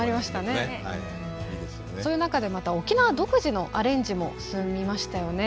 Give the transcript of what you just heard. そういう中でまた沖縄独自のアレンジも進みましたよね。